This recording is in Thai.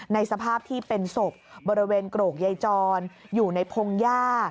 สภาพที่เป็นศพบริเวณโกรกยายจรอยู่ในพงหญ้า